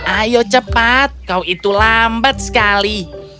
ayo cepat kau itu lambat sekali